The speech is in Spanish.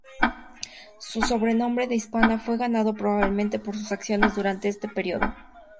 Su sobrenombre de "Hispana" fue ganado probablemente por sus acciones durante este periodo.